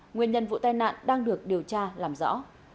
nguyên nhân vụ tai nạn đang được điều tra làm rõ